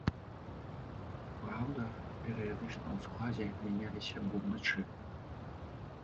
Праўда, перыядычна ў складзе мяняліся бубначы.